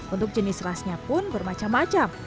untuk jenis rasnya pun bermacam macam